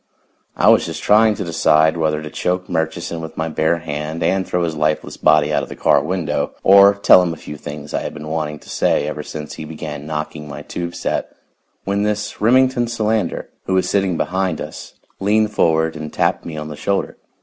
I was just trying to decide whether to choke Murchison with my bare hand and throw his lifeless body out of the car window, or tell him a few things I had been wanting to say ever since he began knocking my tube set, when this Remington Solander, who was sitting behind us, leaned forward and tapped me on the shoulder.